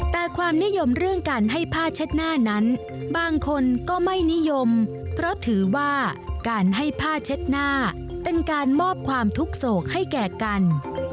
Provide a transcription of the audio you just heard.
แต่ความนิยมเรื่องการให้ผ้าเช็ดหน้านั้นบางคนก็ไม่นิยมเพราะถือว่าการให้ผ้าเช็ดหน้าเป็นการมอบความทุกข์โศกให้แก่กัน